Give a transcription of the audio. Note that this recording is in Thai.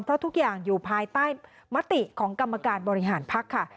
เพราะทุกอย่างอยู่ภายใต้มติของกรรมการบริหารพักค่ะ